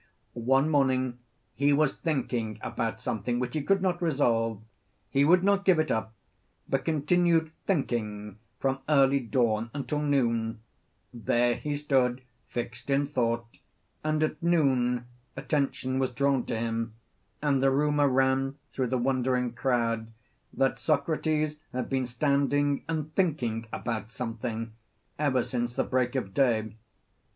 One morning he was thinking about something which he could not resolve; he would not give it up, but continued thinking from early dawn until noon there he stood fixed in thought; and at noon attention was drawn to him, and the rumour ran through the wondering crowd that Socrates had been standing and thinking about something ever since the break of day.